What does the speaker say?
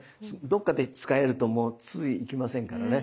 どっかでつかえるともう次行きませんからね。